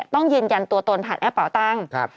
ต้องยืนยันตัวตนผ่านแอปเป่าตังค์